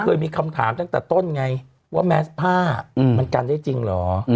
เคยมีคำถามตั้งแต่ต้นไงว่าแมสผ้ามันกันได้จริงเหรอ